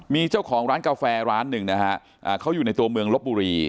มีเจ้าของร้านกาแฟร้านหนึ่งนะฮะเขาอยู่ในตัวเมืองลบบุรี